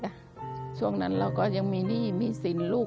ทำงานชื่อนางหยาดฝนภูมิสุขอายุ๕๔ปี